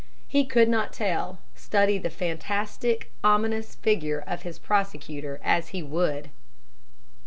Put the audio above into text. He could not tell, study the fantastic, ominous figure of his prosecutor as he would!